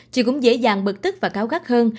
chị cũng dễ dàng bực tức và cáo gắt hơn